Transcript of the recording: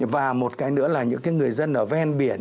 và một cái nữa là những cái người dân ở ven biển